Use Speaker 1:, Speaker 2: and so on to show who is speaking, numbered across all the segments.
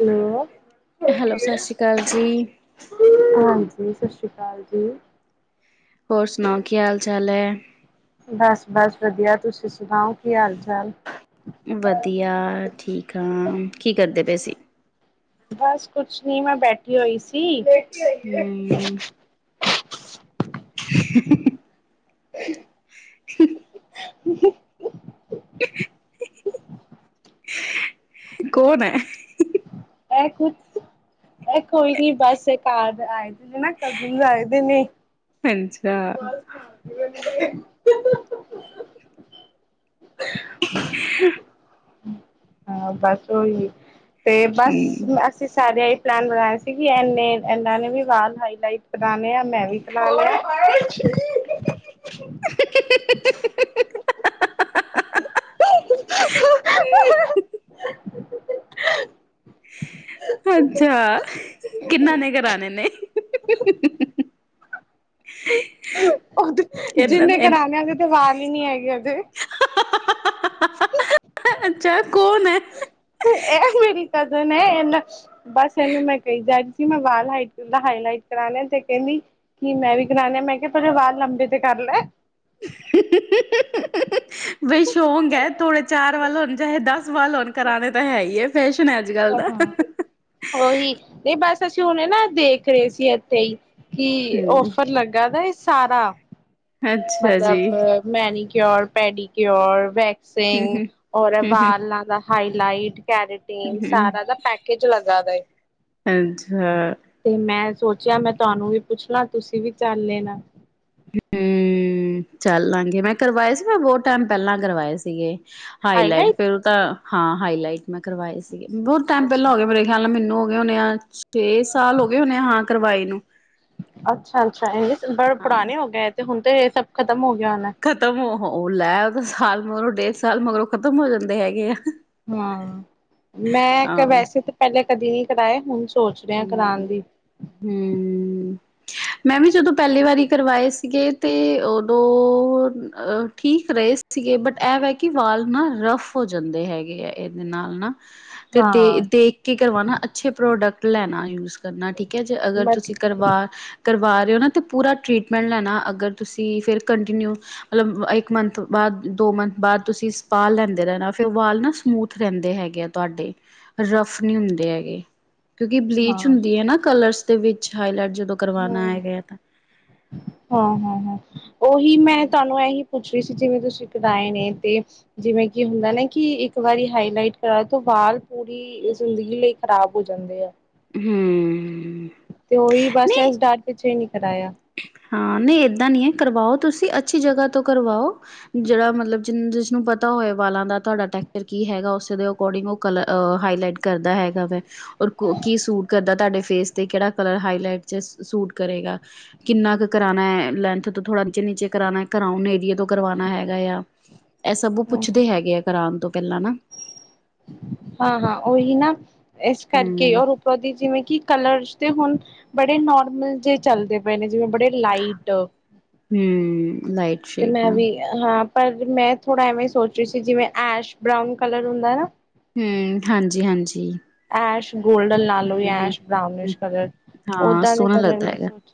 Speaker 1: Hello
Speaker 2: hello ਸਸ ਸ੍ਰੀ ਕਾਲ ਜੀ।
Speaker 1: ਹਾਂਜੀ ਸਸ ਸ਼੍ਰੀ ਕਾਲ ਜੀ।
Speaker 2: ਹੋਰ ਸੁਣਾਓ ਕੀ ਹਾਲ-ਚਾਲ ਐ?
Speaker 1: ਬੱਸ-ਬੱਸ ਵਧੀਆਂ ਤੁਸੀਂ ਸੁਨਾਓ ਕੀ ਹਾਲ-ਚਾਲ?
Speaker 2: ਵਧੀਆ ਠੀਕ ਆ ਕੀ ਕਰਦੇ ਪਏ ਸੀ?
Speaker 1: ਬਸ ਕੁਛ ਨੀ ਮੈਂ ਬੈਠੀ ਹੋਈ ਸੀ ਇਹ
Speaker 2: ਹੂੰ। [inaudible]
Speaker 1: [inaudible]
Speaker 2: [inaudible]
Speaker 1: [inaudible]
Speaker 2: ਕੋਨ ਐ।
Speaker 1: ਐ ਕੁਛ ਐ ਕੋਈ ਨੀਂ ਬਸ ਏ ਘਰ ਆਏ ਮੇਰੇ ਨ ਕਜਨਜ ਆਏ ਨੇ
Speaker 2: ਅੱਛਾ
Speaker 1: [unintelligible]
Speaker 2: [inaudible]
Speaker 1: ਹਾਂ ਬਸ ਓਈ ਤੇ ਬਸ [unintelligible] ਅਸੀਂ ਸਾਰੇ ਈ ਪਲੈਨ ਬਣਾਏ ਸੀ ਕੀ ਐਨੇ ਏਨਾਂ ਵੀ ਵਾਲ ਹਾਈਲਾਈਟ ਕਰਾਨੇ ਆ ਮੈਂ ਵੀ। [unintelligible]
Speaker 2: [inaudible]
Speaker 1: [inaudible]
Speaker 2: ਅੱਛਾ ਕਿੰਨਾ ਨੇ ਕਰਾਨੇ ਨੇ? [inaudible]
Speaker 1: ਓਦੇ
Speaker 2: ਇਹਨਾਂ
Speaker 1: ਜਿਨੇ
Speaker 2: ਇਨ
Speaker 1: ਕਰਾਨੇ ਐ ਓਦੇ ਤੇ ਵਾਲ ਈ ਨੀ ਹੈਗੇ ਜੇ।
Speaker 2: ਅੱਛਾ ਕੋਨ ਐ
Speaker 1: ਐ ਮੇਰੀ ਕਜ਼ਨ ਐ, ਏਨਾਂ ਬਸ ਏਨੂੰ ਮੈਂ ਕਈ ਜਾਰੀ ਕੇ ਮੈ ਵਾਲ ਹਾਈ ਦਾ ਹਾਈਲਾਈਟ ਕਰਾਨੇ ਐ ਤੇ ਕੈੰਦੀ ਕੀ ਮੈਂ ਵੀ ਕਰਾਨੇ ਐਂ ਮੈਂ ਕਿਆ ਪੈਲੇ ਵਾਲ ਲੰਬੇ ਤੇ ਕਰ ਲੈ।
Speaker 2: [inaudible] ਬਈ ਸ਼ੌਕ ਐ ਥੋੜੇ ਚਾਰ ਵਾਲ ਹੋਨ ਚਾਹੇ ਦਸ ਵਾਲ ਹੋਨ ਕਰਾਨੇ ਤਾਂ ਹੈ ਈ ਐ ਫੈਸ਼ਨ ਐ ਅੱਜ-ਕੱਲ ਦਾ।
Speaker 1: ਓਹੀ ਏ ਬਸ ਅਸੀਂ ਹੁਨੇ ਨਾ ਦੇਖ ਰਏ ਸੀ ਏਥੇ ਈ। ਕੀ
Speaker 2: ਹਮ
Speaker 1: ਔਫਰ ਲੱਗਾ ਦਾ ਏ ਸਾਰਾ?
Speaker 2: ਅੱਛਾ ਜੀ
Speaker 1: ਮਤਲਬ manicure, pedicure, wax
Speaker 2: ਹਮ
Speaker 1: ਸਿੰਗ
Speaker 2: ਹਮ
Speaker 1: ਔਰ ਏ
Speaker 2: ਹਮ
Speaker 1: ਵਾਲਾਂ ਦਾ ਹਾਈਲਾਈਟ,
Speaker 2: ਹਮ
Speaker 1: ਕੈਰੇਟੀਨ,
Speaker 2: ਹਮ
Speaker 1: ਸਾਰਾ ਦਾ ਪੈਕ ਕਿਜ ਲੱਗਾ ਦਾ ਏ।
Speaker 2: ਅੰਛਾ
Speaker 1: ਤੇ ਮੈਂ ਸੋਚੇਆ ਮੈਂ ਤੁਆਨੂੰ ਵੀ ਪੁੱਛ ਲਾਂ ਤੁਸੀਂ ਵੀ ਚੱਲ ਲੇਨਾ।
Speaker 2: ਹੂੰ, ਚੱਲ ਲਾਂਗੇ ਮੈਂ ਕਰਵਾਏ ਸੀ ਮੈਂ ਬਹੁ ਟੈਮ ਪੈਲਾਂ ਕਰਵਾਏ ਸੀਗੇ। ਹਾਈਲਾਈਟ ਫਿਰ ਓ ਤਾਂ ਹਾਂ ਹਾਈਲਾਈਟ ਮੈਂ ਕਰਵਾਏ ਸੀਗੇ ਬੋਤ ਟੈਮ
Speaker 1: ਅੱਛਾ
Speaker 2: ਪੈਲਾਂ ਹੋਗੇ ਮੇਰੇ ਖਿਆਲ ਨਾਲ ਮੈਨੂੰ ਹੋ ਗਏ ਹੋਨੇ ਆ, ਛੇ ਸਾਲ ਹੋ ਗਏ ਹੋਨੇ ਆ ਹਾਂ ਕਰਵਾਏ ਨੂੰ।
Speaker 1: ਅੱਛਾ-ਅੱਛਾ, ਏ [unintelligible] ਬੜਾ
Speaker 2: ਹਾਂ
Speaker 1: ਪੁਰਾਨੇ ਹੋ ਗਏ, ਤੇ ਹੁਨ ਤੇ ਏ ਸਬ ਖ਼ਤਮ ਹੋ ਗਿਆ ਹੋਨੈ।
Speaker 2: ਖਤਮ ਓਹੋ ਲੈ ਓ ਤਾਂ ਸਾਲ ਮਗਰੋਂ ਡੇਢ ਸਾਲ ਮਗਰੋਂ ਖ਼ਤਮ ਹੋ ਜਾਂਦੇ ਹੈਗੇ ਆ।
Speaker 1: ਹਾਂ, ਮੈਂ ਇੱਕ
Speaker 2: ਹਾਂ
Speaker 1: ਵੈਸੇ ਤੇ ਪੈਲੇ ਕਦੀ ਨੀ ਕਰਾਏ, ਹੁਨ ਸੋਚ ਰੇ ਆਂ ਕਰਾਨ
Speaker 2: ਹੂੰ,
Speaker 1: ਦੀ।
Speaker 2: ਹੂੰ
Speaker 1: [inaudible]
Speaker 2: ਮੈਂ ਵੀ ਜਦੋਂ ਪੈਲੀ ਵਾਰੀ ਕਰਵਾਏ ਸੀਗੇ, ਤੇ ਓਦੋਂ ਅ ਠੀਕ ਰਏ ਸ ਸੀਗੇ ਬਟ ਐ ਵੈ ਕੇ ਵਾਲ ਨਾ ਰਫ ਹੋ ਜਾਂਦੇ ਹੈਗੇ ਐ ਏਦੇ ਨਾਲ ਨਾ। ਤੇ ਦੇ
Speaker 1: ਹਾਂ,
Speaker 2: ਦੇਖ ਕੇ ਕਰਵਾਨਾ, ਅੱਛੇ ਪ੍ਰੋਡਕਟ ਲੈਨਾ ਯੂਜ ਕਰਨਾ ਠੀਕ ਐ, ਜੇ ਅਗਰ
Speaker 1: ਮਤ
Speaker 2: ਤੁਸੀਂ ਕਰਵਾ ਕਰਵਾ ਰਏ ਓ ਨਾ ਤੇ ਪੂਰਾ ਟਰੀਟਮੈਂਟ ਲੈਨਾ ਅਗਰ ਤੁਸੀਂ ਫਿਰ ਕੰਟੀਨਿਊ ਮਤਲਬ ਇੱਕ ਮੰਥ ਬਾਦ, ਦੋ ਮੰਥ ਬਾਦ, ਤੁਸੀਂ ਸਪਾ ਲੈਂਦੇ ਰੈਨਾ, ਫਿਰ ਵਾਲ ਨਾ ਸਮੂਥ ਰੈਂਦੇ ਹੈਗੇ ਆ। ਤੁਆਡੇ ਰਫ ਨੀ ਹੁੰਦੇ ਹੈਗੇ। ਕਿਓਂਕਿ ਬਲੀਚ
Speaker 1: ਹਾਂ।
Speaker 2: ਹੁੰਦੀ ਐ ਨਾਕਲਰਸ ਦੇ ਵਿੱਚ ਹਾਈਲਾਈਟ ਜਦੋਂ ਕਰਵਾਉਣਾ
Speaker 1: ਹੂੰ,
Speaker 2: ਹੈਗਾ ਤਾਂ
Speaker 1: ਹਾਂ-ਹਾਂ-ਹਾਂ, ਓਹੀ ਮੈਂ ਤਾਨੂੰ ਐਹੀ ਪੁੱਛ ਰਈ ਸੀਗੀ ਜਿਵੇਂ ਤੁਸੀਂ ਕਰਾਏ ਨੇ ਤੇ ਜਿਵੇਂ ਕੇ ਹੁੰਦਾ ਨਾ ਕੇ ਇੱਕ ਵਾਰੀ ਹਾਈਲਾਈਟ ਕਰਾਏ ਤੋ ਵਾਲ ਪੂਰੀ ਏ ਜ਼ਿੰਦਗੀ ਲਈ ਖ਼ਰਾਬ ਹੋ ਜਾਂਦੇ ਐ।
Speaker 2: ਹੂੰ
Speaker 1: ਤੇ ਓਈ ਬਸ
Speaker 2: ਨਹੀਂ
Speaker 1: ਏਸ ਡਰ ਪਿੱਛੇ ਈ ਨਈਂ ਕਰਾਏਆ।
Speaker 2: ਹਾਂ ਨਈ ਏਦਾਂ ਨਈਂ ਐ ਕਰਵਾਓ ਤੁਸੀਂ ਅੱਛੀ ਜਗਾਂ ਤੋਂ ਕਰਵਾਓ। ਜੇੜਾ ਮਤਲਬ ਜਿਨ ਜਿਸਨੂੰ ਪਤਾ ਹੋਏ ਵਾਲਾਂ ਦਾ ਤੁਆਡਾ ਟੈਕਚਰ ਕੀ ਹੈਗਾ ਓਸੇ ਦੇਓਂ ਅਕੋਡਿੰਗ ਓ ਕਲ ਹਾਈਲਾਈਟ ਕਰਦਾ ਹੈਗਾ ਵੈ। ਓਰ ਕੋ ਕੀ ਸੂਟ ਕਰਦਾ ਤੁਹਾਡੇ ਫੇਸ ਤੇ ਕੇੜਾ ਕਲਰ ਹਾਈਲਾਈਟ ਚ ਸੂਟ ਕਰੇਗਾ। ਕਿੰਨਾ ਕ ਕਰਾਨਾ ਐ ਲੈਂਥ ਤੋਂ ਥੋੜਾ ਨੀਚੇ-ਨੀਚੇ ਕਰਾਨਾ ਕਰਾਉਨ ਏਰੀਏ ਤੋਂ ਕਰਵਾਨਾ ਹੈਗਾ ਯਾ। ਐ ਸਬ
Speaker 1: ਹੂੰ।
Speaker 2: ਪੁੱਛਦੇ ਹੈਗੇ ਐ ਕਰਾਨ ਤੋਂ ਪੈਲਾਂ ਨਾ।
Speaker 1: ਹਾਂ-ਹਾਂ ਓਹੀ ਨਾ ਏਸ ਕਰਕੇ
Speaker 2: ਹੂੰ
Speaker 1: ਔਰ ਉੱਪਰੋਂ ਦੀ ਜਿਵੇਂ ਕੀ ਕਲਰਸ ਤੇ ਹੁਨ ਬੜੇ ਨੋਰਮਲ ਜੇ ਚਲਦੇ ਪਏ ਨੇ ਜਿਵੇਂ ਬੜੇ ਲਾਈਟ।
Speaker 2: ਹੂੰ, ਲਾਈਟ
Speaker 1: ਤੇ
Speaker 2: ਸ਼ੇਡ
Speaker 1: ਮੈਂ
Speaker 2: ਨਾ
Speaker 1: ਵੀ ਹਾਂ, ਪਰ ਮੈਂ ਥੋੜ੍ਹਾ ਐਵੇਂ ਸੋਚ ਰਹੀ ਸੀ, ਜਿਵੇਂ ਐਸ਼ ਬਰਾਊਨ ਕਲਰ ਹੁੰਦਾ ਨਾ।
Speaker 2: ਹਮ, ਹਾਂਜੀ-ਹਾਂਜੀ।
Speaker 1: ਐਸ਼ ਗੋਲਡਨ ਲਾ ਲਓ ਯਾਂ ਐਸ਼
Speaker 2: ਹੂੰ
Speaker 1: ਬਰਾਊਨਿਸ਼ ਕਲਰ, ਓਦਾਂ ਦੇ ਕਲਰ ਮੈਂ ਸੋਚ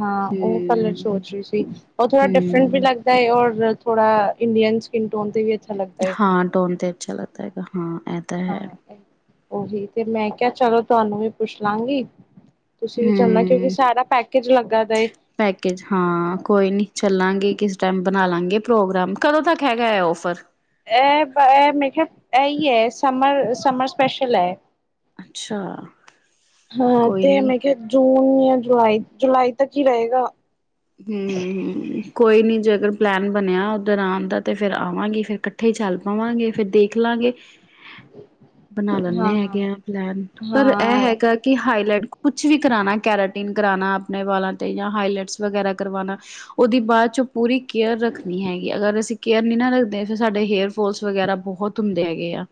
Speaker 1: ਹਾਂ, ਉਹ ਕਲਰ ਸੋਚ ਰਹੀ ਸੀ, ਉਹ ਥੋੜਾ ਡਿਫਰੈਂਟ ਵੀ ਲੱਗ ਨਹੀਂ, ਔਰ ਥੋੜਾ ਇੰਡੀਅਨ 'ਚ- ਸਕਿਨ ਟੋਨ ਤੇ ਵੀ, ਅ
Speaker 2: ਹਾਂ, ਟੋਨ ਤੇ ਅੱਛਾ ਲੱਗਦਾ ਹੈਗਾ, ਹਾਂ। ਇਹ ਤਾਂ ਹੈ
Speaker 1: ਹਾਂ, ਓਹੀ ਤੇ ਮੈਂ ਕਿਹਾ, ਚਲੋ ਤੁਹਾਨੂੰ ਵੀ ਪੁੱਛ ਲਾਂਗੀ। ਤੁਸੀਂ ਵੀ ਚਾਲਣਾ, ਕਿਉਂਕਿ
Speaker 2: ਹੂੰ
Speaker 1: ਸਾਰਾ ਪੈਕੇਜ ਲੱਗਾ ਦਾ ਏ।
Speaker 2: ਪੈਕੇਜ ਹਾਂ, ਕੋਈ ਨੀਂ ਚੱਲਾਂਗੇ ਕਿਸ ਟਾਈਮ, ਬਣਾ ਲਾਂਗੇ ਪ੍ਰੋਗਰਾਮ, ਕਦੋਂ ਤੱਕ ਹੈਗਾ ਹੈ ਔਫਰ?
Speaker 1: ਇਹ, ਇਹ ਮੇਰੇ ਖਿਆਲ ਇਹੀ ਹੈ, ਸਮਰ-ਸਮਰ ਸਪੈਸ਼ਲ ਹੈ।
Speaker 2: ਅੱਛਾ
Speaker 1: ਹਾਂ,
Speaker 2: ਕੋਈ
Speaker 1: ਤੇ
Speaker 2: ਨੀ
Speaker 1: ਮੈਂ ਕਿਹਾ ਜੂਨ ਜਾਂ ਜੁਲਾਈ, ਜੁਲਾਈ ਤੱਕ ਹੀ ਰਹੇਗਾ।
Speaker 2: ਹਮ ਹਮ, ਕੋਈ ਨੀ ਜੇ ਅਗਰ ਪਲੈਨ ਬਣਿਆ, ਉੱਧਰ ਆਉਣ ਦਾ ਤੇ ਫੇਿਰ ਆਵਾਂਗੀ ਫਿਰ ਇੱਕਠੇ ਚੱਲ ਪਾਵਾਂਗੇ, ਫੇਿਰ ਦੇਖ ਲਾਂਗੇ ਬਣਾ ਲੈਂਦੇ
Speaker 1: ਹਾਂ ਹਾਂ
Speaker 2: ਹੈਗੇ ਆ ਪਲੈਨ, ਪਰ ਇਹ
Speaker 1: ਹਾਂ
Speaker 2: ਹੈਗਾ ਕਿ ਹਾਈਲਾਈਟ ਕੁਛ ਵੀ ਕਰਾਉਣਾ, ਕੈਰਾਟੀਨ ਕਰਾਉਣਾ ਆਪਣੇ ਵਾਲਾਂ ਤੇ, ਜਾਂ ਹਾਈਲਾਈਟਸ ਵਗੈਰਾ ਕਰਵਾਉਣਾ ਉਹਦੀ ਬਾਅਦ 'ਚੋਂ ਪੂਰੀ ਕੇਅਰ ਰੱਖਣੀ ਹੈਗੀ, ਅਗਰ ਅਸੀਂ ਕੇਅਰ ਨੀ ਨਾ ਰੱਖਦੇ, ਫਿਰ ਸਾਡੇ ਹੇਅਰ ਫਾਲਸ ਵਗੈਰਾ ਬਹੁਤ ਧੁੰਮਦੇ ਹੈਗੇ ਆ।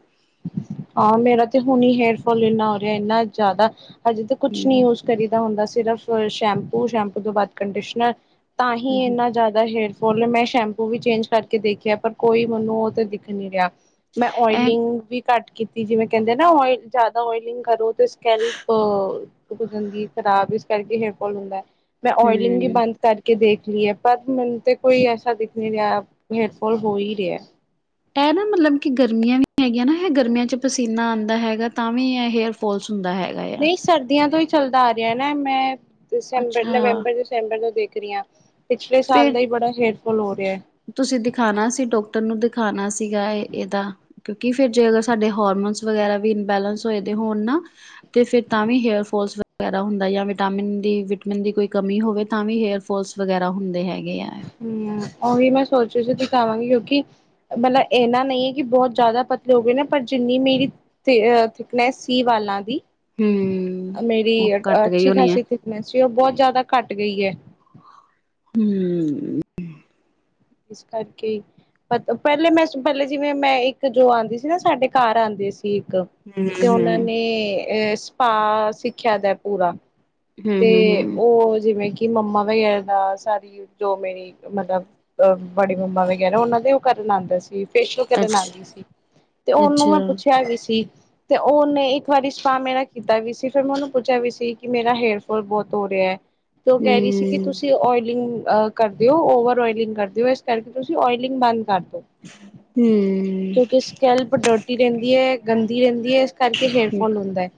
Speaker 1: ਹਾਂ, ਮੇਰਾ ਤੇ ਹੁਣੇ ਹੇਅਰ ਫੋਲ ਇੰਨਾ ਹੋ ਰਿਹਾ ਇਨਾ ਜ਼ਿਆਦਾ, ਹਜੇ ਤਾਂ ਕੁਛ ਨੀ
Speaker 2: ਹੂੰ
Speaker 1: ਯੂਜ਼ ਕਰੀਦਾ ਹੁੰਦਾ। ਸਿਰਫ ਸ਼ੈਂਪੂ, ਸ਼ੈਂਪੂ ਤੋਂ ਬਾਅਦ ਕੰਡੀਸ਼ਨਰ, ਤਾਂ ਹੀ
Speaker 2: ਹੂੰ
Speaker 1: ਇੰਨਾ ਜ਼ਿਆਦਾ ਹੇਯਰ ਫਾਲ ਏ। ਮੈਂ ਸ਼ੈਂਪੂ ਵੀ ਚੇਂਜ ਕਰਕੇ ਦੇਖਿਆ, ਪਰ ਕੋਈ ਮੈਨੂੰ ਉਹ ਤਾਂ ਦਿਖ ਨੀ ਰਿਹਾ। ਮੈਂ
Speaker 2: ਇਹ
Speaker 1: ਓਇਲਿੰਗ ਵੀ ਘੱਟ ਕੀਤੀ, ਜਿਵੇਂ ਕਹਿੰਦੇ ਨਾ ਓਇਲ ਜ਼ਿਆਦਾ ਓਇਲਿੰਗ ਕਰੋ ਤੇ ਸਕੈਲਪ ੱਸਕਿਨ ਹੋ ਜਾਂਦੀ ਖਰਾਬ, ਇਸ ਕਰਕੇ ਹੇਅਰਫੋਲ ਹੁੰਦਾ ਹੈ। ਮੈਂ ਓਇਲਿੰਗ ਵੀ
Speaker 2: ਹੂੰ
Speaker 1: ਬੰਦ ਕਰਕੇ ਦੇਖ ਲਈਏ, ਪਰ ਮੈਨੂੰ ਤੇ ਕੋਈ ਐਸਾ ਦਿਖ ਨਹੀਂ ਰਿਹਾ, ਹੇਡਫੋਲ ਹੋ ਹੀ ਰਿਹਾ।
Speaker 2: ਇਹ ਨਾ ਮਤਲਬ ਕਿ, ਗਰਮੀਆਂ ਵੀ ਹੈਗੀਆਂ ਨਾ, ਇਹ ਗਰਮੀਆਂ 'ਚ ਪਸੀਨਾ ਆਉਂਦਾ ਹੈਗਾ, ਤਾਂ ਵੀ ਇਹ ਹੇਅਰ ਫੋਲਸ ਹੁੰਦਾ ਹੈਗਾ। ਆ
Speaker 1: ਨਹੀਂ ਸਰਦੀਆਂ ਤੋਂ ਹੀ ਚੱਲਦਾ ਆ ਰਿਹਾ ਨਾ, ਮੈਂ ਦਸੰਬਰ-
Speaker 2: ਅੱਛਾ
Speaker 1: ਨਵੰਬਰ ਦੇਖ ਰਹੀ ਹਾਂ। ਪਿਛਲੇ ਸਾਲ
Speaker 2: ਫੇਰ
Speaker 1: ਦਾ ਹੀ, ਬੜਾ ਹੇਅਰਫੋਲ ਹੋ ਰਿਹਾ ਹੈ।
Speaker 2: ਤੁਸੀਂ ਦਿਖਾਉਣਾ ਸੀ ਡਾਕਟਰ ਨੂੰ, ਦਿਖਾਉਣਾ ਸੀਗਾ ਇਹ ਇਹਦਾ ਕਿਉਂਕਿ ਫਿਰ ਜੇ, ਅਗਰ ਸਾਡੇ ਹਰਮੋਨਸ ਵਗੈਰਾ ਵੀ ਇਨਬੈਲੈਂਸ ਹੋਏ ਦੇ ਹੋਣ ਨਾ ਤੇ ਫਿਰ, ਤਾਂ ਵੀ ਹੇਅਰ ਫੋਲਸ ਵਗੈਰਾ ਹੁੰਦਾ ਜਾਂ ਵਿਟਾਮਿਨ ਦੀ, ਵਿਟਮਿਨ ਦੀ ਕੋਈ ਕਮੀ ਹੋਵੇ, ਤਾਂ ਵੀ ਹੇਅਰ ਫ ਫੋਲਸ ਵਗੈਰਾ ਹੁੰਦੇ ਹੈਗੇ ਹੈ।
Speaker 1: ਹਮ, ਉਹੀ ਮੈਂ ਸੋਚ ਰੀ ਸੀ ਦਿਖਾਵਾਂਗੀ ਕਿਉਂਕਿ ਮਤਲਬ ਇੰਨਾ ਨਹੀਂ ਹੈ, ਕਿ ਬਹੁਤ ਜ਼ਿਆਦਾ ਪਤਲੇ ਹੋ ਗਏ ਨੇ ਪਰ ਜਿੰਨੀ ਮੇਰੀ ਥ ਥਿਕਨੈਸ ਸੀ ਵਾਲਾਂ ਦੀ,
Speaker 2: ਹੂੰ
Speaker 1: ਮੇਰੀ
Speaker 2: ਉਹ ਘੱਟ ਗਈ
Speaker 1: ਅੱਛੀ
Speaker 2: ਹੋਣੀ ਹੈ
Speaker 1: ਖਾਸੀ ਥਿ ਕਨੈਸ ਸੀ, ਉਹ ਬਹੁਤ ਜਿਆਦਾ ਘੱਟ ਗਈ ਹੈ।
Speaker 2: ਹਮ। ਹਮ।
Speaker 1: ਇਸ ਕਰਕੇ ਪਹਿਲੇ ਮੈਂ ਪਹਿਲੇ ਜਿਵੇਂ, ਮੈਂ ਇੱਕ ਜੋ ਆਉਂਦੀ ਸੀ ਨਾ ਸਾਡੇ ਘਰ ਆਉਂਦੇ ਸੀ ਇੱਕ
Speaker 2: ਹੂੰ
Speaker 1: ਤੇ ਉਹਨਾਂ ਨੇ
Speaker 2: ਹੂੰ
Speaker 1: ਅਹ, ਸਪਾਅ ਸਿੱਖਿਆ ਦਾ ਪੂਰਾ
Speaker 2: ਹੂੰ
Speaker 1: ਤੇ
Speaker 2: ਹੂੰ
Speaker 1: ਉਹ ਜਿਵੇਂ ਕਿ, ਮੰਮਾ ਵਗੈਰਾ ਦਾ ਸਾਰੀ ਜੋ ਮੇਰੀ ਮਤਲਬ, ਅਹ ਬੜੀ ਮੰਮਾ ਵਗੈਰਾ ਉਹਨਾਂ ਦੇ ਉਹ ਕਰਨ ਆਉਂਦਾ ਸੀ। ਫੇਸ਼ੀਲ ਕਰਨ
Speaker 2: ਅੱਛਾ
Speaker 1: ਆਂਦੀ ਸੀ, ਤੇ ਉਹਨੂੰ ਮੈਂ
Speaker 2: ਅੱਛਾ
Speaker 1: ਪੁੱਛਿਆ ਵੀ ਸੀ ਤੇ ਉਨੇ ਇੱਕ ਵਾਰੀ ਸਪਾ ਮੇਰਾ ਕੀਤਾ ਵੀ ਸੀ ਫਿਰ ਮੈਂ ਉਨੂੰ ਪੁੱਛਿਆ ਵੀ ਸੀ ਕਿ ਮੇਰਾ ਹੇਅਰ ਬਹੁਤ ਹੋ ਰਿਹਾ ਆ ਤੇ ਓ
Speaker 2: ਹੂੰ
Speaker 1: ਕਹਿ ਰਹੀ ਸੀ ਕਿ ਤੁਸੀਂ ਓਇਲਿੰਗ ਅ ਕਰਦੇਓ ਓਵਰ ਓਇਲਿੰਗ ਕਰਦੇ ਹੋ ਇਸ ਕਰਕੇ ਤੁਸੀਂ ਓਇਲਿੰਗ ਬੰਦ ਕਰ ਦਿਓ
Speaker 2: ਹੂੰ।
Speaker 1: ਕੈਲਪ ਡੋਟੀ ਰਹਿੰਦੀ ਆ ਗੰਦੀ ਰਹਿੰਦੀ ਆ ਕਰਕੇ ਹੇਅਰਫੋਲ ਹੁੰਦਾ ਆ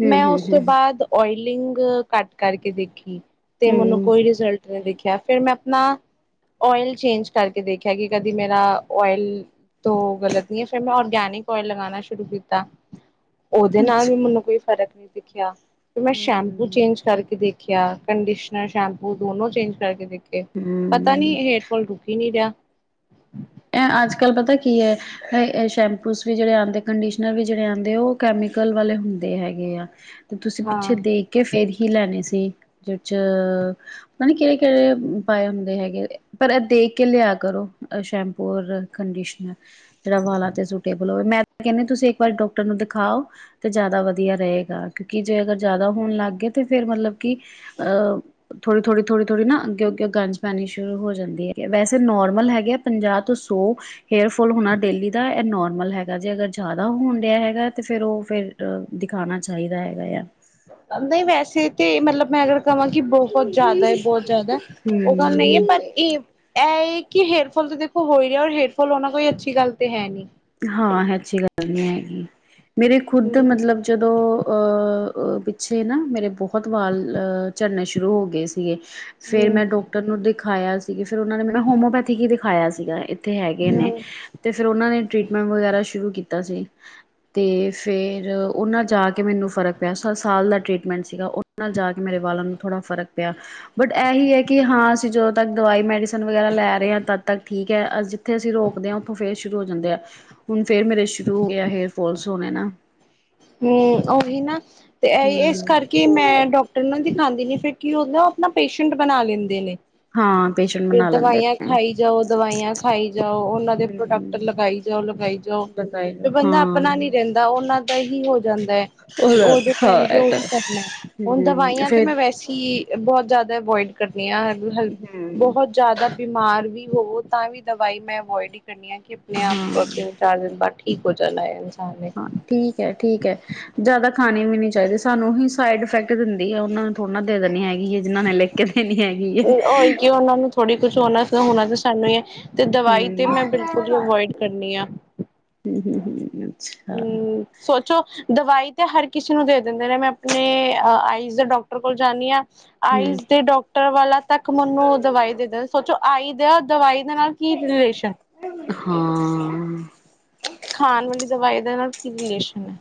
Speaker 2: ਹੂੰ
Speaker 1: ਮੈਂ ਉਸ ਤੋਂ
Speaker 2: ਹੂੰ
Speaker 1: ਬਾਦ ਓਇਲਿੰਗ ਘੱਟ ਕਰਕੇ ਦੇਖੀ ਤੇ ਮੈਨੂੰ
Speaker 2: ਹੂੰ
Speaker 1: ਕੋਈ ਰਿਜ਼ਲਟ ਨਾ ਦੇਖਿਆ ਫੇਰ ਮੈਂ ਆਪਣਾ ਓਇਲ ਚੇਂਜ ਕਰਕੇ ਦੇਖਿਆ ਕਿ ਕਦੀ ਮੇਰਾ ਓਇਲ ਤੋ ਗ਼ਲਤ ਨਈ ਆ ਫਿਰ ਮੈਂ ਔਰਗੈਨਿਕ ਓਇਲ ਲਗਾਨਾ ਸ਼ੁਰੂ ਕੀਤਾ ਉਦੇ ਨਾਲ ਵੀ ਮੈਨੂੰ ਕੋਈ ਫਰਕ ਨੀ ਦਿਖਿਆ ਫੇਰ ਮੈਂ ਸ਼ੈਂਪੂ
Speaker 2: ਹੂੰ
Speaker 1: ਚੇਂਜ ਦੇਖਿਆ ਕੰਡੀਸ਼ਨਰ ਸ਼ੈਂਪੂ ਦੋਨੋ ਚੇਂਜ ਕਰਕੇ ਦੇਖੇ ਪਤਾ ਨੀ
Speaker 2: ਹੂੰ
Speaker 1: ਫੇਰ ਹੇਅਰਫੋਲ ਰੁਕ ਹੀ ਨੀ ਰਿਹਾ
Speaker 2: ਐ ਅੱਜ-ਕੱਲ ਪਤਾ ਕੀ ਆ ਐ ਸ਼ੈਂਪੂਸ ਵੀ ਜਿਹੜੇ ਆਂਦੇ ਕੰਡੀਸ਼ਨਰ ਵੀ ਜਿਹੜੇ ਆਂਦੇ ਆ ਓ ਕੈਮੀਕਲ ਵਾਲੇ ਹੁੰਦੇ ਹੈਗੇ ਆ। ਤੇ ਤੁਸੀਂ ਪਿੱਛੇ
Speaker 1: ਹਾਂ।
Speaker 2: ਦੇਖ ਕੇ ਫੇਰ ਹੀ ਲੈਣੇ ਸੀ ਜੀ 'ਚ ਪਤਾ ਨੀ ਕਿਹੜੇ-ਕਿਹੜੇ ਪਾਏ ਹੁੰਦੇ ਹੈਗੇ। ਪਰ ਐ ਦੇਖ ਕੇ ਲਿਆ ਕਰੋ। ਸ਼ੈਂਪੂ ਔਰ ਕੰਡੀ‌ਸ਼ਨਰ। ਜਿਹੜਾ ਵਾਲਾਂ ਤੇ ਸੂਟੇਬਲ ਹੋਵੇ। ਮੈਂ ਕਹਿਣੀ ਆ ਤੁਸੀਂ ਇੱਕ ਵਾਰੀ ਡਾਕਟਰ ਨੂੰ ਦਿਖਾਓ। ਤੇ ਜ਼ਿਆਦਾ ਵਧੀਆ ਰਹੇਗਾ। ਕਿਉਂਕਿ ਜੇ ਅਗਰ ਜ਼ਿਆਦਾ ਹੋਣ ਲੱਗ ਗਏ ਤਾਂ ਫਿਰ ਮਤਲਬ ਕਿ ਅਹ ਥੋੜੀ-ਥੋੜੀ, ਥੋੜੀ-ਥੋੜੀ ਨਾ ਅੱਗੋ-ਅੱਗੋ ਗੰਜ ਪੈਣੀ ਸ਼ੁਰੂ ਹੋ ਜਾਂਦੀ ਆ ਹੈਗੀ ਆ ਨੋਰਮਲ ਹੈਗੇ ਆ ਪੰਜਾਹ ਤੋ ਸੋ ਹੇਅਰ ਫੋਲ ਹੋਣਾ ਡੇਲੀ ਦਾ ਐ ਨੋਰਮਲ ਹੈਗਾ ਜੇ ਅਗਰ ਜ਼ਿਆਦਾ ਹੋਣ ਡੇਆ ਹੈਗਾ ਤੇ ਫਿਰ, ਓ ਫਿਰ ਬਟ ਦਿਖਾਣਾ ਚਾਈਦਾ ਹੈਗਾ ਆ।
Speaker 1: ਅਬੀ ਵੈਸੇ ਤੇ ਮਤਲਬ ਮੈਂ ਅਗਰ ਕਹਾਂ ਕਿ ਬਹੁ ਬਹੁਤ ਜ਼ਿਆਦਾ ਆ, ਬਹੁਤ ਜ਼ਿਆਦਾ, ਓ ਗੱਲ ਨਈ ਆ।
Speaker 2: ਹੂੰ
Speaker 1: ਪਰ ਏ, ਐਹ ਕਿ ਹੇਅਰਫੋਲ ਤਾਂ ਦੇਖੋ ਹੋ ਹੀ ਰਿਹਾ ਔਰ ਹੇਅਰਫੋਲ ਹੋਨਾ ਕੋਈ ਅੱਛੀ ਗੱਲ ਤੇ ਹੈਂ ਨੀ
Speaker 2: ਹਾਂ, ਐ ਅੱਛੀ ਗੱਲ ਨੀ ਹੈਗੀ। ਮੇਰੇ ਖੁਦ
Speaker 1: ਹਮ
Speaker 2: ਮਤਲਬ ਜਦੋਂ ਅਹ ਪਿੱਛੇ ਨਾ ਮੇਰੇ ਬਹੁਤ ਵਾਲ ਅ ਝਰਨੇ ਸ਼ੁਰੂ ਹੋ ਗਏ ਸੀਗੇ। ਫੇਰ
Speaker 1: ਹਮ
Speaker 2: ਮੈਂ ਡਾਕਟਰ ਨੂੰ ਦਿਖਾਇਆ ਸੀਗੀ, ਫ਼ਿਰ ਉਨਾਂ ਨੇ ਮੈਨੂੰ ਨਾ ਹੋਮਓਪੈਥੀਕ ਦਿਖਾਇਆ ਸੀਗਾ। ਏਥੇ ਹੈਗੇ ਨੇ
Speaker 1: ਹਮ
Speaker 2: ਤੇ ਫਿਰ ਉਨਾਂ ਨੇ ਟ੍ਰੀਟਮੈਂਟ ਵਗੈਰਾ ਸ਼ੁਰੂ ਕੀਤਾ ਸੀ। ਤੇ ਫਿਰ ਉਨਾਂ ਜਾ ਕੇ ਮੈਨੂੰ ਫਰਕ ਪਿਆ ਸ--ਸਾਲ ਦਾ ਟਰੀਟਮੈਂਟ ਸੀਗਾ ਓ ਨਾਲ ਜਾ ਕੇ ਮੇਰੇ ਵਾਲਾਂ ਨੂੰ ਥੋੜ੍ਹਾ ਫਰਕ ਪਿਆ। ਬਟ ਇਹੀ ਆ ਕਿ ਹਾਂ, ਅਸੀਂ ਜਦੋਂ ਤੱਕ ਦਵਾਈ ਮੈਡੀਸਨ ਵਗੈਰਾ ਲੈ ਰਹੇ ਆ, ਤਦ ਤੱਕ ਠੀਕ ਆ ਅ ਜਿੱਥੇ ਅਸੀਂ ਰੋਕਦੇ ਆ ਉੱਥੋਂ ਫੇਰ ਸ਼ੁਰੂ ਹੋ ਜਾਂਦੇ ਆ ਹੁਣ ਫੇਰ ਮੇਰੇ ਸ਼ੁਰੂ ਹੋ ਗਿਆ ਹੇਅਰ ਫੋਲਸ ਹੋਣੇ ਨਾ
Speaker 1: ਹੂੰ ਉਹੀ ਨਾ ਤੇ ਇਸ
Speaker 2: ਹੂੰ,
Speaker 1: ਕਰਕੇ ਕਿ ਮੈਂ ਡਾਕਟਰ ਨੂੰ ਦਿਖਾਦੀ ਨੀ ਫਿਰ ਕੀ ਓ ਆਪਣਾ ਪੇਸ਼ੈਂਟ ਬਣਾ ਲੈਂਦੇ ਨੇ
Speaker 2: ਹਾਂ ਪੇਸ਼ੈਂਟ
Speaker 1: ਫੇਰ,
Speaker 2: ਬਣਾ ਲੈਂਦੇ
Speaker 1: ਦਵਾਈਆਂ ਖਾਈ ਜਾਓ, ਦਵਾਈਆਂ ਖਾਈ ਜਾਓ। ਉਨਾਂ ਦੇ
Speaker 2: ਹਮ
Speaker 1: ਪ੍ਰੋਡਕਟ ਲਗਾਈ ਜਾਓ, ਲਗਾਈ ਜਾਓ
Speaker 2: ਬਕਾਇਦਾ
Speaker 1: ਵੀ
Speaker 2: ਹਾਂ
Speaker 1: ਬੰਦਾ ਆਪਣਾ ਨੀ ਰਹਿੰਦਾ ਉਨਾਂ ਦਾ ਹੀ ਹੋ ਜਾਂਦਾ ਆ ਕਿ
Speaker 2: ਉਹਦਾ
Speaker 1: ਓ ਜੋ
Speaker 2: ਹਾਂ
Speaker 1: ਕਹਿਣਗੇ
Speaker 2: ਇਹ ਤਾਂ
Speaker 1: ਉਹੀ ਕਰਨਾ ਆ। ਹੁਣ
Speaker 2: ਹਮ
Speaker 1: ਦਵਾਈਆਂ ਤੇ
Speaker 2: ਫੇਰ
Speaker 1: ਮੈਂ ਵੈਸੇ ਹੀ ਬਹੁਤ ਜ਼ਿਆਦਾ ਅਵੋਇਡ ਕਰਦੀ ਆ
Speaker 2: ਹਮ
Speaker 1: ਬਹੁਤ ਜ਼ਿਆਦਾ ਬਿਮਾਰ ਵੀ ਹੋਵੋ ਤਾਂ ਵੀ ਦਵਾਈ ਮੈਂ ਅਵੋਇਡ ਹੀ ਕਰਨੀ ਆ ਕਿ ਆਪਣੇ
Speaker 2: ਹਾਂ
Speaker 1: ਆਪਤੇ ਚਾਰਜਨ ਬਾਦ ਠੀ ਕ ਹੋ ਜਾਣ ਆ ਇਨਸਾਨ ਨੇ
Speaker 2: ਹਾਂ ਠੀਕ ਆ, ਠੀਕ ਆ। ਜਿਆਦਾ ਖਾਣੀ ਵੀ ਨੀ ਚਾਈਦੀ, ਸਾਨੂੰ ਹੀ ਸਾਈਡ ਇਫੈਕਟ ਦਿੰਦੀ ਆ‌। ਉਨਾਂ ਨੂੰ ਥੋੜਾ ਨਾ ਦੇ ਦੇਣੀ ਹੈਗੀ ਆ, ਜਿਨਾਂ ਨੇ ਲਿਖ ਕੇ ਦੇਣੀ ਹੈਗੀ ਆ
Speaker 1: ਥੋੜੀ ਕੁਛ ਹੋਣਾ ਹੋਣਾ ਤਾਂ ਸਾਨੂੰ ਹੀ ਆ ਤੇ ਦਵਾਈ ਤੇ ਮੈਂ ਬਿਲਕੁਲ ਹੀ ਅਵੋਇਡ ਕਰਨੀ ਆ‌।
Speaker 2: ਹੂੰ-ਹੂੰ-ਹੂੰ ਅੱਛਾ।
Speaker 1: ਹਮ ਸੋਚੋ ਦਵਾਈ ਤਾਂ ਹਰ ਕਿਸੇ ਨੂੰ ਦੇ ਦਿੰਦੇ ਨੇ ਮੈਂ ਆਪਣੇ ਅ ਆਈਜ਼ ਦੇ ਡੋਕਟਰ ਕੋਲ ਜਾਂਨੀ ਆ ਆਈਜ਼ ਦੇ ਡੋਕਟਰ ਵਾਲਾ ਤੱਕ ਮੈਨੂੰ ਦਵਾਈ ਦੇ ਦਿੰ ਸੋਚੋ ਆਈ ਦਾ ਦਵਾਈ ਦੇ ਨਾਲ ਕੀ ਰਿਲੇਸ਼ਨ।
Speaker 2: ਹਾਂ।
Speaker 1: ਖਾਣ ਵਾਲੀ ਦਵਾਈ ਦੇ ਨਾਲ ਕੀ ਰਿਲੇਸ਼ਨ।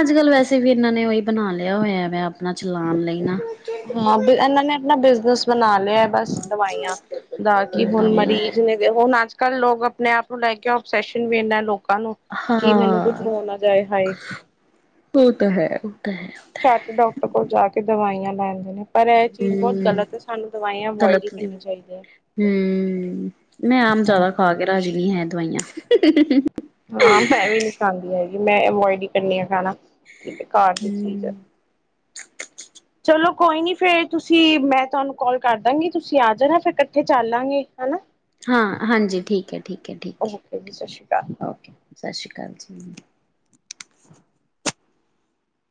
Speaker 2: ਅੱਜ-ਕੱਲ ਵੈਸੇ ਵੀ ਇਨਾਂ ਨੇ ਓਹੀ ਬਣਾ ਲਿਆ ਹੋਇਆ ਵਾ ਆਪਣਾ ਚਲਾਨ ਲਈ ਨਾ।
Speaker 1: ਹਾਂ ਏਨਾਂ ਨੇ ਆਪਣਾ ਬਿਜਨਸ ਬਣਾ ਲਿਆ ਬਸ ਦਵਾਈਆਂ ਦਾ ਕੀ ਹੁਣ ਮਰੀਜ਼ ਨੇ ਹੁਣ ਅੱਜ-ਕੱਲ੍ਹ ਲੋਕ ਆਪਣੇ ਆਪ ਨੂੰ ਲੈ ਕੇ ਆਪਸੈਸ਼ਨ ਵੀ ਇਨਾ ਲੋਕਾਂ ਨੂੰ ਕੀ ਮੈਨੂੰ ਕੁਛ
Speaker 2: ਹਾਂ
Speaker 1: ਹੋ ਨਾ ਜਾਏ ਹਾਏ।
Speaker 2: ਓ ਤਾਂ ਹੈ ਓ ਤਾਂ ਹੈ।
Speaker 1: ਝੱਟ ਡਾਕਟਰ ਕੋਲ ਜਾ ਕੇ ਦਵਾਈਆਂ ਲੈਂਦੇ ਨੇ। ਪਰ ਐ ਚੀਜ਼ ਬੋਤ
Speaker 2: ਹਮ
Speaker 1: ਗਲਤ ਐਸਾਨੂੰ ਦਵਾਈਆਂ ਅਵੋਇਡ ਈ ਕਰਨੀਆਂ ਚਾਈਦੇ।
Speaker 2: ਹੂੰ ਮੈਂ ਆਮ ਜਾਦਾ ਖਾ ਕੇ ਰਾਜੀ ਨੀ ਹੈ ਦਵਾਈਆਂ।
Speaker 1: ਹਾਂ ਮੈਂ ਵੀ ਨੀ ਖਾਂਦੀ ਹੈਗੀ ਮੈਂ ਅਵੋਇਡ ਈ ਕਰਨੀ ਆ ਖਾਣਾ ਕੀ ਘਰ ਦੀ ਚੀਜ਼
Speaker 2: ਹਮ
Speaker 1: ਚਲੋ ਕੋਈ ਨੀ ਫੇਰ ਤੁਸੀਂ ਮੈਂ ਤੁਹਾਨੂੰ ਕੋਲ ਕਰ ਦਾਂਗੀ। ਤੁਸੀਂ ਆ ਜਾਣਾ ਫਿਰ ਇਕੱਠੇ ਚੱਲਾਂਗੇ ਹਨਾ।
Speaker 2: ਹਾਂ ਹਾਂਜੀ ਠੀਕ ਐ, ਠੀਕ ਐ, ਠੀਕ ਐ,
Speaker 1: ਓਕੇ ਜੀ ਸਤਿ ਸ਼੍ਰੀ ਅਕਾਲ।
Speaker 2: ਠੀਕ ਐ ਓਕੇ ਸਸ ਸ਼੍ਰੀ ਕਾਲ ਜੀ।